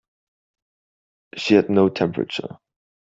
She had no temperature.